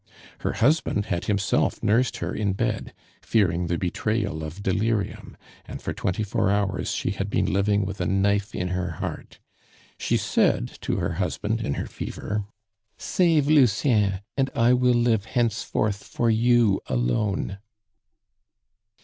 Her husband had himself nursed her in bed, fearing the betrayal of delirium, and for twenty four hours she had been living with a knife in her heart. She said to her husband in her fever: "Save Lucien, and I will live henceforth for you alone."